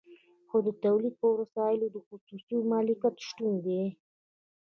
خو د تولید پر وسایلو د خصوصي مالکیت شتون دی